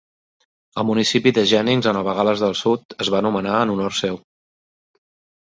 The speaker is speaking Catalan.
El municipi de Jennings a Nova Gal·les del Sud es va anomenar en honor seu.